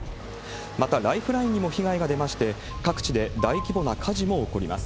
またライフラインにも被害が出まして、各地で大規模な火事も起こります。